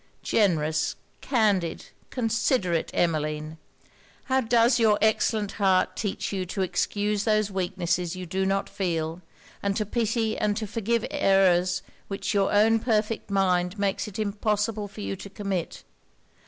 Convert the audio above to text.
Generous, candid, considerate Emmeline! how does your excellent heart teach you to excuse those weaknesses you do not feel, and to pity and to forgive errors which your own perfect mind makes it impossible for you to commit!